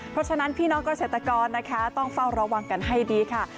เพราะฉะนั้นพี่น้องเกษตรกรนะคะต้องเฝ้าระวังกันให้ดีค่ะ